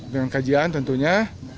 dengan kajian tentunya